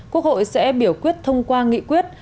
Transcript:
quốc hội sẽ biểu quyết thông qua nghị quyết